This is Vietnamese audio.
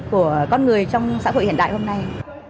của con người trong xã hội hiện đại hôm nay